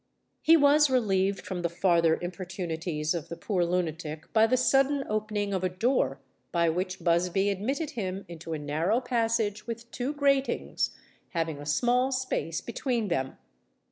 He was relieved from the farther importunities of the poor lunatic, by the sudden opening of a door, by which Busby admitted him into a narrow passage with two gratings, having a small space between them.